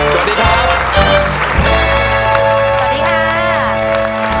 สวัสดีค่ะ